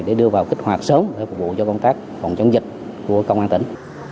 để đưa vào kích hoạt sớm để phục vụ cho công tác phòng chống dịch của công an tỉnh